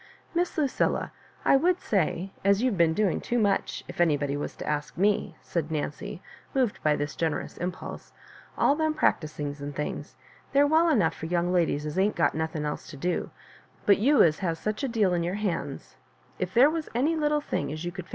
" Miss Lucilla, I would say, as you've been doing too much, if anybody was to ask me/* said Nancy, moved by this generous impulse, " all them practisings and things. They're weU enough for young laidies as ain't got nothing else to do ; but you as has such a deal in your hands If there was any little thing as you could Digitized by Google HISS MABJORIBAKES.